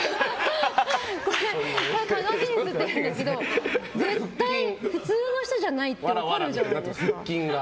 鏡に映ってるんだけど絶対、普通の人じゃないって分かるじゃないですか。